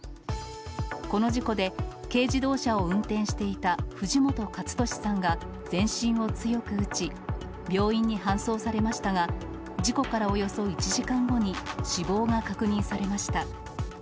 この事故で、軽自動車を運転していた藤本勝俊さんが全身を強く打ち、病院に搬送されましたが、事故からおよそ１時間後に死亡が確認されました。